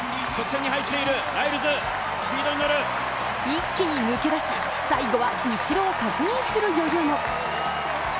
一気に抜け出し、最後は後ろを確認する余裕も。